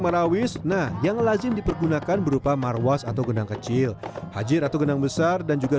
marawis nah yang lazim dipergunakan berupa marwas atau genang kecil hajir atau genang besar dan juga